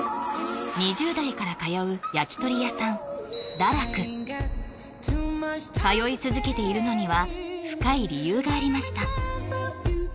２０代から通う焼き鳥屋さん陀らく通い続けているのには深い理由がありました